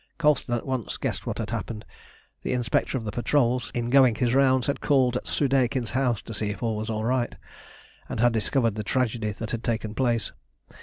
Colston at once guessed what had happened. The inspector of the patrols, in going his rounds, had called at Soudeikin's house to see if all was right, and had discovered the tragedy that had taken place.